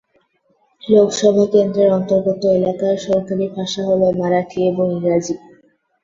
লোকসভা কেন্দ্রের অন্তর্গত এলাকার সরকারি ভাষা হল মারাঠি এবং ইংরাজি।